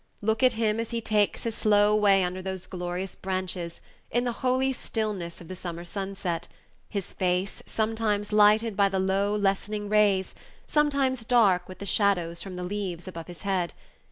Look at him as he takes his slow way under those glorious branches, in the holy stillness of the summer sunset, his face sometimes lighted by the low, lessening rays, sometimes dark with the shadows from the leaves above his head.